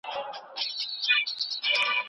خلاق افراد د موجوده حالت څخه خوښ نه وي.